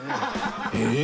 えっ？